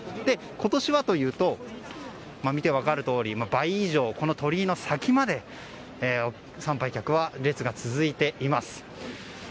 今年はというと見て分かるとおり倍以上、鳥居の先まで参拝客の列が続いています。